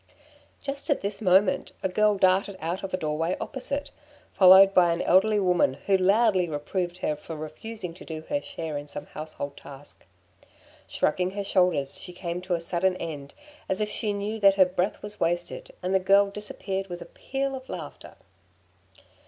Just at this moment a girl darted out of a doorway opposite, followed by an elderly woman who loudly reproved her for refusing to do her share in some household task. Shrugging her shoulders, she came to a sudden end, as if she knew that her breath was wasted, and the girl disappeared with a peal of laughter.